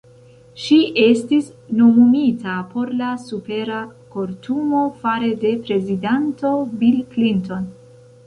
Ŝi estis nomumita por la Supera Kortumo fare de prezidanto Bill Clinton.